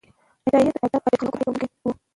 عطایي د ادبي اخلاقو رعایت کوونکی و.